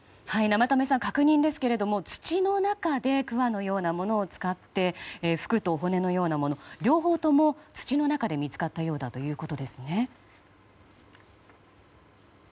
生田目さん、確認ですけど土の中でくわのようなものを使って服と骨のようなもの両方とも土の中で見つかったようだということですね。